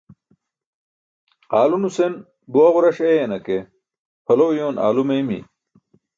Aalo nusen buwa ġuras eeyana ke phalo uyoon alo meeymi.